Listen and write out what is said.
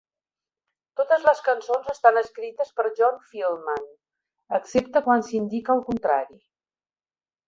Totes les cançons estan escrites per John Feldmann, excepte quan s'indica el contrari.